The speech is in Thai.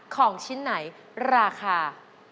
ของชิ้นไหนราคา